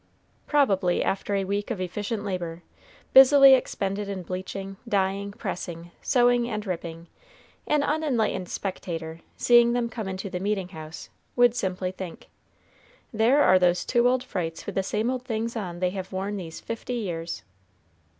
Probably after a week of efficient labor, busily expended in bleaching, dyeing, pressing, sewing, and ripping, an unenlightened spectator, seeing them come into the meeting house, would simply think, "There are those two old frights with the same old things on they have worn these fifty years."